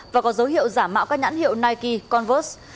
và có dấu hiệu giả mạo các nhãn hiệu nike converst